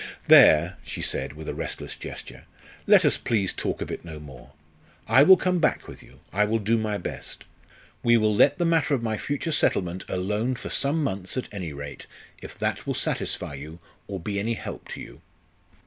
"There!" she said, with a restless gesture, "let us, please, talk of it no more. I will come back with you I will do my best. We will let the matter of my future settlement alone for some months, at any rate, if that will satisfy you or be any help to you."